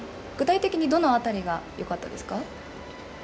具体的にどのあたりがよかったですか？